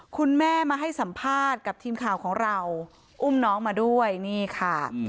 คุณแม่มาให้สัมภาษณ์กับทีมข่าวของเราอุ้มน้องมาด้วยนี่ค่ะ